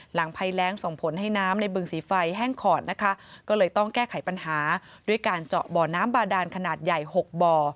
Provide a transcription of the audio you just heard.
ภัยแรงส่งผลให้น้ำในบึงสีไฟแห้งขอดนะคะก็เลยต้องแก้ไขปัญหาด้วยการเจาะบ่อน้ำบาดานขนาดใหญ่หกบ่อ